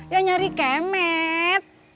ya nyari kemet